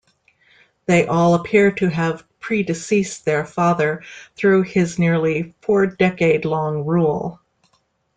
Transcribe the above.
They all appear to have predeceased their father through his nearly four-decade-long rule.